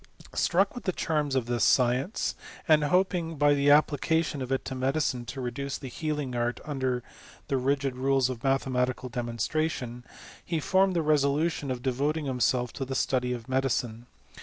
Struck with the charms of this science, and oping by the application of it to medicine to reduce the healing art under the rigid rules of mathematical demonstration, he formed the resolution of devoting himself to the study of medicine.